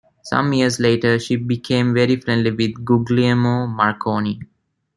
Some years later she became very friendly with Guglielmo Marconi.